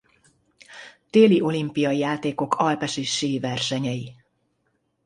Téli Olimpiai Játékok alpesi sí versenyei.